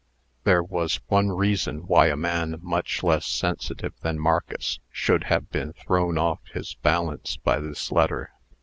There was one reason why a man much less sensitive than Marcus should have been thrown off his balance by this letter.